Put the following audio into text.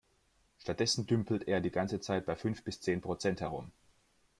Stattdessen dümpelt er die ganze Zeit bei fünf bis zehn Prozent herum.